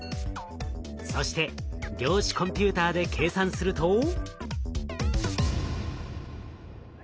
そして量子コンピューターで計算すると。